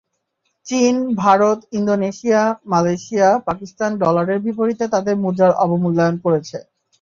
চীন, Bharat, Indonesia, Malaysia, Pakistan ডলারের বিপরীতে তাদের মুদ্রার অবমূল্যায়ন করেছে।